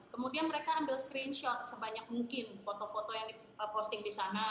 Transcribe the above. kemudian mereka ambil screenshot sebanyak mungkin foto foto yang diposting di sana